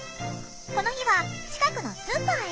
この日は近くのスーパーへ。